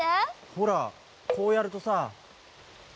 ほらこうやるとさ。